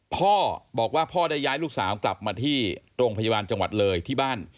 พ่อบอกว่าพ่อได้ย้ายลูกสาวกลับมาที่โรงพยาบาลจังหวัดเลยที่บ้าน